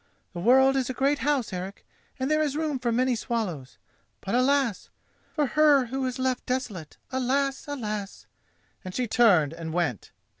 The world is a great house, Eric, and there is room for many swallows. But alas! for her who is left desolate—alas, alas!" And she turned and went.